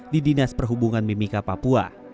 di dinas perhubungan mimika papua